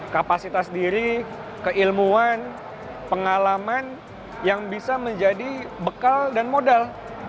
kapasitas diri keilmuan pengalaman yang bisa menjadi bekal dan modal